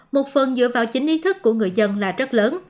một phần dựa vào chính ý thức của người dân là rất lớn